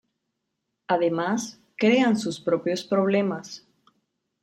Además, crean sus propios problemas.